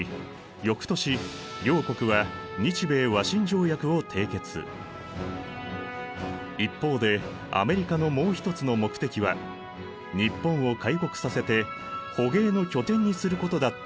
翌年両国は一方でアメリカのもう一つの目的は日本を開国させて捕鯨の拠点にすることだったといわれている。